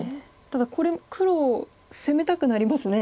ただこれ黒攻めたくなりますね。